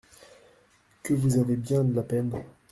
Que vous avez bien de la peine.